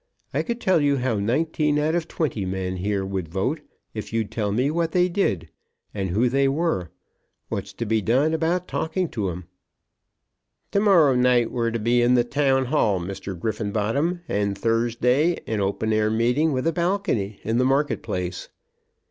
I could tell you how nineteen out of twenty men here would vote, if you'd tell me what they did, and who they were. What's to be done about talking to 'em?" "To morrow night we're to be in the Town Hall, Mr. Griffenbottom, and Thursday an open air meeting, with a balcony in the market place."